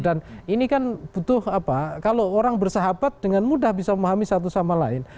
ini kan butuh apa kalau orang bersahabat dengan mudah bisa memahami satu sama lain